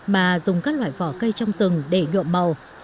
mà dùng các loại vỏ cây trong rừng để nhuộm màu